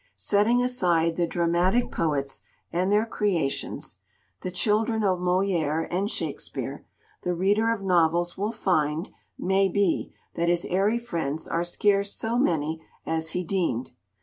Setting aside the dramatic poets and their creations, the children of Molière and Shakspeare, the reader of novels will find, may be, that his airy friends are scarce so many as he deemed.